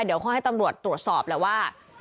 เดี๋ยวค่อยให้ตำรวจตรวจสอบแล้วว่า